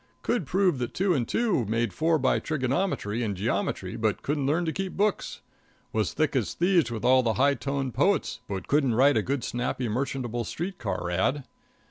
Could prove that two and two made four by trigonometry and geometry, but couldn't learn to keep books; was thick as thieves with all the high toned poets, but couldn't write a good, snappy, merchantable street car ad.